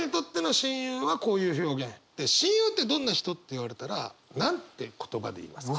親友って「どんな人？」って言われたら何て言葉で言いますか？